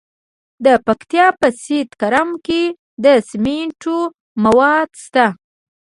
د پکتیا په سید کرم کې د سمنټو مواد شته.